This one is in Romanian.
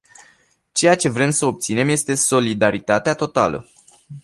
Ceea ce vrem să obținem este solidaritatea totală.